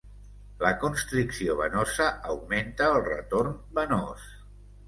La constricció venosa augmenta el retorn venós.